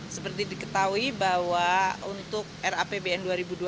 seperti diketahui bahwa untuk rapbn dua ribu dua puluh